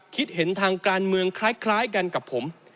คิดเห็นทางการเมืองคล้ายกันกับผม